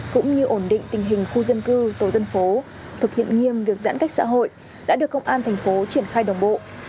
cũng như ổn định tình hình khu dân cư tổ dân phố thực hiện nghiêm việc giãn cách xã hội đã được công an thành phố triển khai đồng bộ